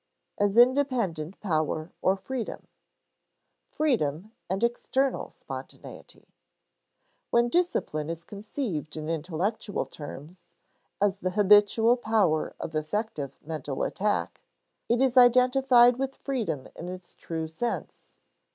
[Sidenote: As independent power or freedom] [Sidenote: Freedom and external spontaneity] When discipline is conceived in intellectual terms (as the habitual power of effective mental attack), it is identified with freedom in its true sense.